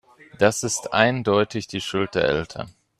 Das ist eindeutig die Schuld der Eltern.